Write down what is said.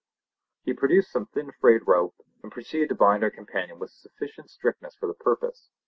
He produced some thin frayed rope and proceeded to bind our companion with sufficient strictness for the purpose.